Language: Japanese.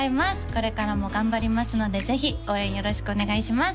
これからも頑張りますのでぜひ応援よろしくお願いします